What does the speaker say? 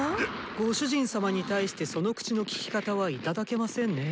ご主人様に対してその口のきき方はいただけませんねぇ。